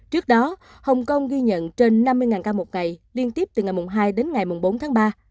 trước đó hồng kông ghi nhận trên năm mươi ca một ngày liên tiếp từ ngày hai đến ngày bốn tháng ba